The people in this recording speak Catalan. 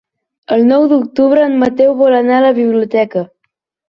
El nou d'octubre en Mateu vol anar a la biblioteca.